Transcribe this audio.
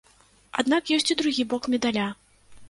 Аднак ёсць і другі бок медаля.